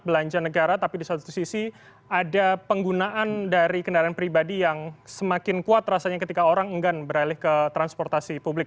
belanja negara tapi di satu sisi ada penggunaan dari kendaraan pribadi yang semakin kuat rasanya ketika orang enggan beralih ke transportasi publik